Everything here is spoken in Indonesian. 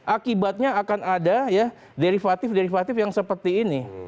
akibatnya akan ada ya derivatif derivatif yang seperti ini